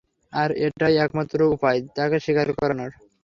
আর এটাই একমাত্র উপায় তাঁকে স্বীকার করানোর।